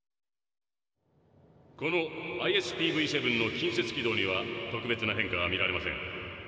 このＩＳＰＶ−７の近接軌道には特別な変化は見られません。